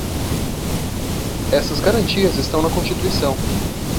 Essas garantias estão na Constituição.